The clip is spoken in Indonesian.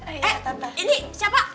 eh ini siapa